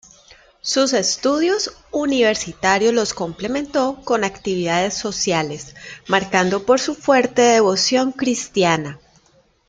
Sus estudios universitarios los complementó con actividades sociales, marcado por su fuerte devoción cristiana.